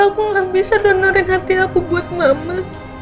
aku gak bisa donorin hati aku buat mama